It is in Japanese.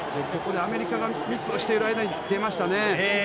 アメリカがミスをしている間に出ましたね。